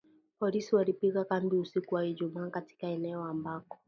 Polisi walipiga kambi usiku wa Ijumaa katika eneo ambako